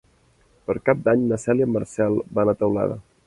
Per Cap d'Any na Cel i en Marcel van a Teulada.